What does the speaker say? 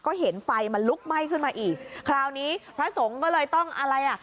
ก็เห็นไฟมันลุกไหม้ขึ้นมาอีกคราวนี้พระสงฆ์ก็เลยต้องอะไรอ่ะ